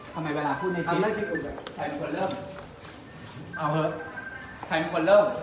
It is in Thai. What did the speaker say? ทำไมเวลาพูดไม่คิดทำเล่าที่คุณใครเป็นคนเริ่มเอาเหอะใครเป็นคนเริ่ม